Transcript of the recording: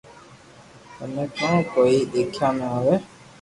ٿني ڪون ڪوئي ديکيا ۾ آوي